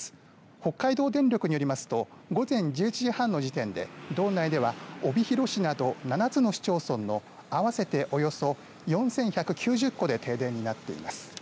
北海道電力によりますと午前１１時半の時点で道内では帯広市など７つの市町村の合わせて、およそ４１９０戸で停電になっています。